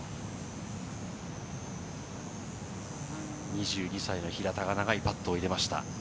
２２歳の平田が長いパットを入れました。